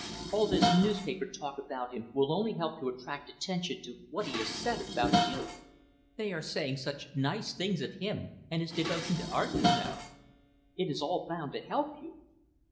All this newspaper talk about him will only help to attract attention to what he has said about you. They are saying such nice things of him and his devotion to art, you know it is all bound to help you."